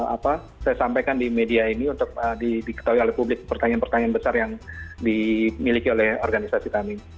apa saya sampaikan di media ini untuk diketahui oleh publik pertanyaan pertanyaan besar yang dimiliki oleh organisasi kami